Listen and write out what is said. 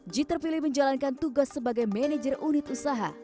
ji terpilih menjalankan tugas sebagai manajer unit usaha